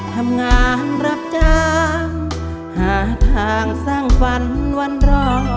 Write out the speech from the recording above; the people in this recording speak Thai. ทำงานรับจ้างหาทางสร้างฝันวันรอ